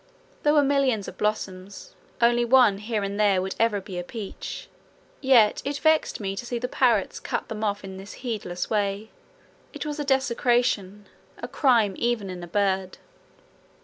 There were millions of blossoms; only one here and there would ever be a peach, yet it vexed me to see the parrots cut them off in that heedless way: it was a desecration, a crime even in a bird.